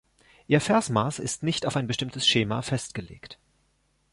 Ihr Versmaß ist nicht auf ein bestimmtes Schema festgelegt.